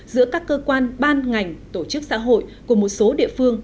giữa các cơ quan ban ngành tổ chức xã hội của một số địa phương